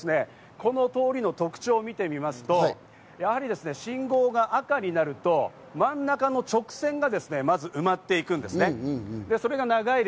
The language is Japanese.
ここに立っていて、この通りの特徴を見てみますと、やはり信号が赤になると真ん中の直線がまず埋まっていくんですね。